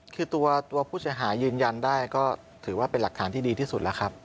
คือตัวผู้เสียหายยืนยันได้ก็ถือว่าเป็นหลักฐานที่ดีที่สุดแล้วครับ